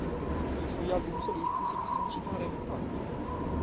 Fra i suoi album solisti si possono citare "Pump it!